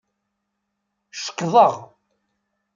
Cekḍeɣ.